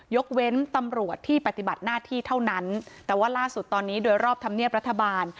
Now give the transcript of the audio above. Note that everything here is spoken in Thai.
ยกเว้นตำรวจที่ปฏิบัติหน้าที่เท่านั้นแต่ว่าล่าสุดตอนนี้โดยรอบธรรมเนียบรัฐบาล